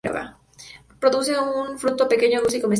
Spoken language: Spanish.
Produce un fruto pequeño, dulce y comestible.